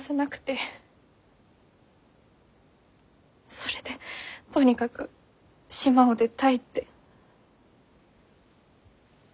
それでとにかく島を出たいって。